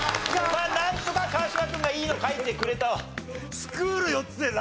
なんとか川島君がいいの書いてくれたわ。